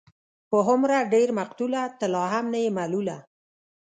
په هومره ډېر مقتوله، ته لا هم نه يې ملوله